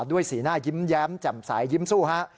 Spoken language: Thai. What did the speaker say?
ด้วยสีหน้ายิ้มแย้มจ่ำสายยิ้มสู้ฮะ